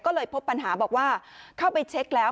ก็เลยพบปัญหาบอกว่าเข้าไปเช็คแล้ว